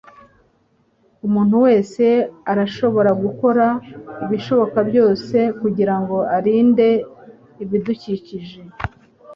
Umuntu wese arashobora gukora ibishoboka byose kugirango arinde ibidukikije.